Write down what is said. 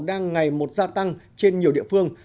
đang ngày một gia tăng trên nhiều địa phương